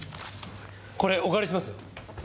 これお借りします。